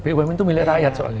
bumn itu milik rakyat soalnya